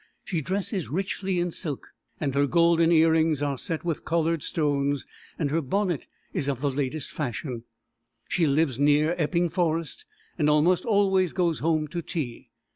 She dresses richly in silk, and her golden earrings are set with coloured stones, and her bonnet is of the latest fashion. She lives near Epping Forest, and almost always goes home to tea.